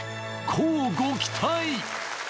乞うご期待